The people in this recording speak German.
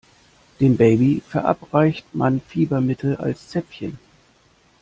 Dem Baby verabreicht man Fiebermittel als Zäpfchen.